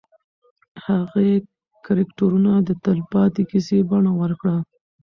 هغې کرکټرونه د تلپاتې کیسې بڼه ورکړه.